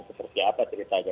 seperti apa ceritanya